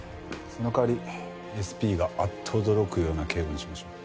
その代わりＳＰがあっと驚くような警護にしましょう。